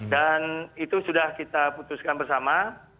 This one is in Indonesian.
dan itu sudah kita putuskan bersama